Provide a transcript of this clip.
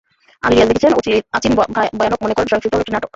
আলী রীয়াজ লিখেছেন, আচিন ভায়ানক মনে করেন, সহিংসতা হলো একটি নাটক।